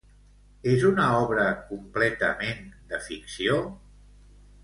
És una obra completament de ficció?